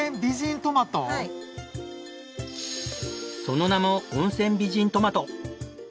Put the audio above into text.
その名も温泉美人トマト。